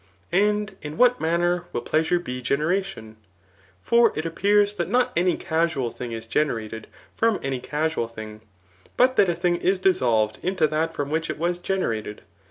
. And in what manner will pleasure be generation ? For it appears that not any casual thing is generated from any casual thing, but that a thing is dissolved into that from which it was generated.